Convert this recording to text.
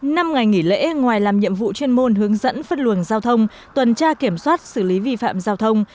năm ngày nghỉ lễ ngoài làm nhiệm vụ chuyên môn hướng dẫn phân luồng giao thông tuần tra kiểm soát xử lý vi phạm giao thông